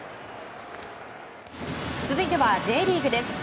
続いてはＪリーグです。